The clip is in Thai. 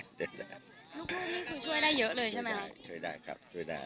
กินยาครับ